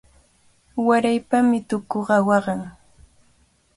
Waraypami tukuqa waqan.